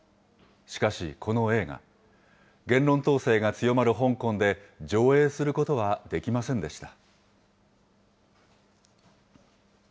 しかしこの映画、言論統制が強まる香港で上映することはできませんでした。